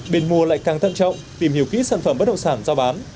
biển mùa lại càng tận trọng tìm hiểu kỹ sản phẩm bất động sản giao bán